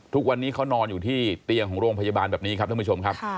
ทุกวันนี้เขานอนอยู่ที่เตียงของโรงพยาบาลแบบนี้ครับท่านผู้ชมครับ